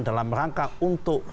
dalam rangka untuk